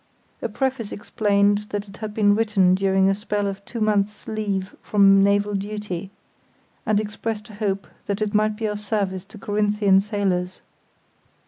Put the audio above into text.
A preface explained that it had been written during a spell of two months' leave from naval duty, and expressed a hope that it might be of service to Corinthian sailors.